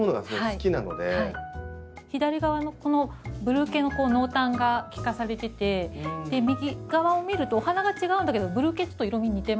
左側のこのブルー系の濃淡が利かされてて右側を見るとお花が違うんだけどブルー系ちょっと色み似てますもんね。